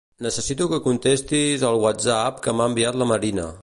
Necessito que contestis al whatsapp que m'ha enviat la Marina.